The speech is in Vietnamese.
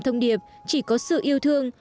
thông điệp chỉ có sự yêu thương